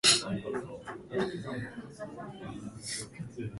いずれ精巧無比な飜訳機械が発明される日まで、